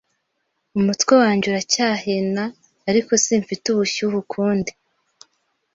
Umutwe wanjye uracyahina ariko simfite ubushyuhe ukundi.